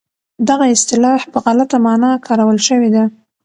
دغه اصطلاح په غلطه مانا کارول شوې ده.